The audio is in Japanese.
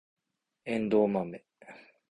エンドウマメ